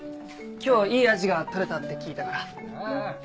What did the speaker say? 今日いいアジが取れたって聞いたから。